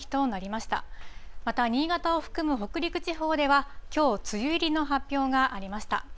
また新潟を含む北陸地方では、きょう、梅雨入りの発表がありました。